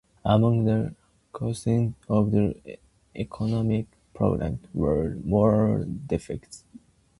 Among the consequences of this economic program were, more inflation and budget deficits.